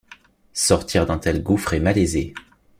Sortir d’un tel gouffre est malaisé.